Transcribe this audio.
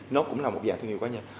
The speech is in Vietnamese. nó cũng là một dạng thương hiệu cá nhân